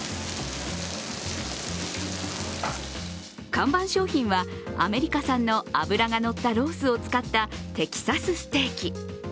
看板商品は、アメリカ産の脂がのったロースを使ったテキサスステーキ。